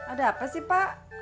ada apa sih pak